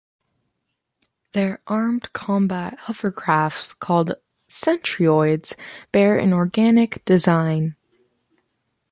Their armed combat hovercrafts, called "centruroids" bear an organic design.